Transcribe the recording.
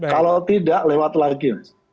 kalau tidak lewat lagi